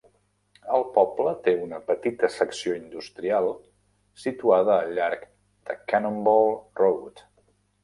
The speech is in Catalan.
El poble té una petita secció industrial situada al llarg de Cannonball Road.